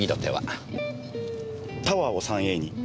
タワーを３Ａに。